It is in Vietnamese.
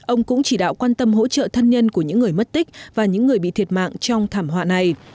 ông cũng chỉ đạo quan tâm hỗ trợ thân nhân của những người mất tích và những người bị thiệt mạng trong thảm họa này